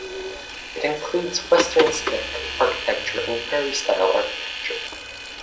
It includes Western Stick architecture and Prairie style architecture.